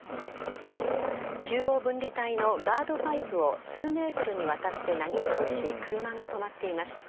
中央分離帯のガードパイプを数ｍにわたってなぎ倒し車が止まっています。